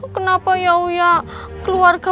kenapa ya uya keluarga